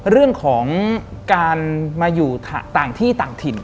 เรื่องของการมาอยู่ต่างที่ต่างถิ่น